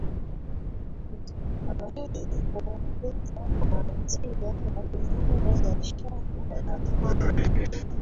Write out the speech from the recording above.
kutokana kuwakuta na hatia ya kufanya biashara haramu